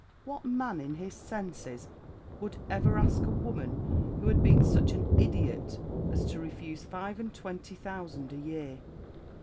What man in his senses would ever ask a woman who had been such an idiot as to refuse five and twenty thousand a year?"